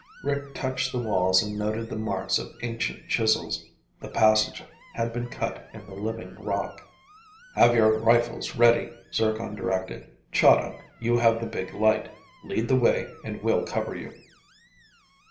Rick touched the walls and noted the marks of ancient chisels. The passage had been cut in the living rock. "Have your rifles ready," Zircon directed. "Chahda, you have the big light. Lead the way and we'll cover you."